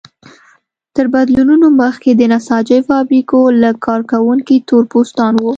تر بدلونونو مخکې د نساجۍ فابریکو لږ کارکوونکي تور پوستان وو.